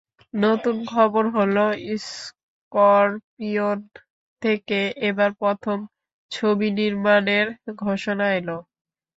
নতুন খবর হলো, স্করপিয়ন থেকে এবার প্রথম ছবি নির্মাণের ঘোষণা এল।